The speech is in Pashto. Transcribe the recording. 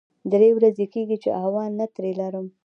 درې ورځې کېږي چې احوال نه ترې لرم.